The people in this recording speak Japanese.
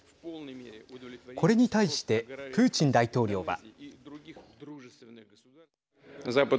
これに対してプーチン大統領は。